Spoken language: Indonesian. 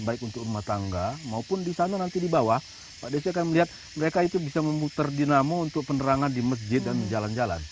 baik untuk rumah tangga maupun di sana nanti di bawah pak desi akan melihat mereka itu bisa memutar dinamo untuk penerangan di masjid dan jalan jalan